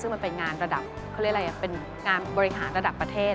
ซึ่งมันเป็นงานระดับเขาเรียกอะไรเป็นงานบริหารระดับประเทศ